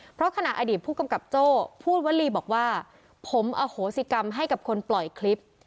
เพราะขณะอดีตผู้กำกับโจ้พูดวลีบอกว่าผมอโหสิกรรมให้กับคนปล่อยคลิป